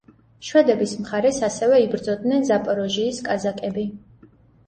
შვედების მხარეს ასევე იბრძოდნენ ზაპოროჟიის კაზაკები.